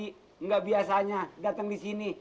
tumben pagi enggak biasanya datang di sini